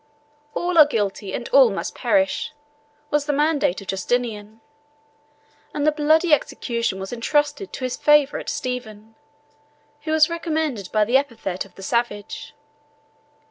"All are guilty, and all must perish," was the mandate of Justinian; and the bloody execution was intrusted to his favorite Stephen, who was recommended by the epithet of the savage.